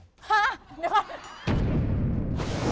ฮะนี่คือ